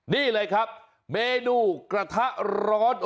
นี่เลยครับเมนูกระทะร้อน